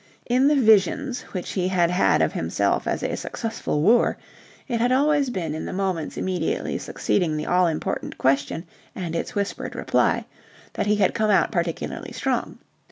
In the visions which he had had of himself as a successful wooer, it had always been in the moments immediately succeeding the all important question and its whispered reply that he had come out particularly strong.